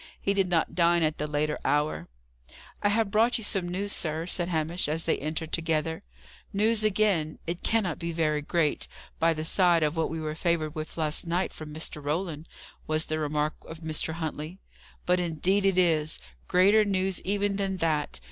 He did not dine at the later hour. "I have brought you some news, sir," said Hamish, as they entered together. "News again! It cannot be very great, by the side of what we were favoured with last night from Mr. Roland," was the remark of Mr. Huntley. "But indeed it is. Greater news even than that.